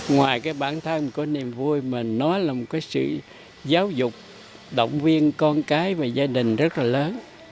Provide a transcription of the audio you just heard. ngoài bản thân của niềm vui mà nó là một sự giáo dục động viên con cái và gia đình rất là lớn